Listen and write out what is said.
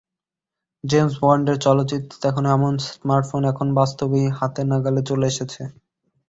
James বন্ডের চলচ্চিত্রে দেখানো এমন স্মার্টফোন এখন বাস্তবেই হাতের নাগালে চলে এসেছে।